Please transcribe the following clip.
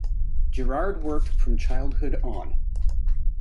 Girard worked from childhood on.